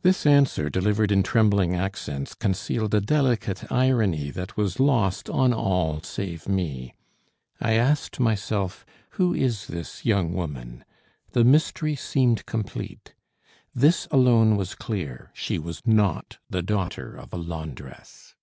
This answer, delivered in trembling accents, concealed a delicate irony that was lost on all save me. I asked myself, who is this young woman? The mystery seemed complete. This alone was clear; she was not the daughter of a laundress.